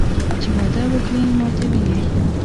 چې وعده وکړي ماتوي یې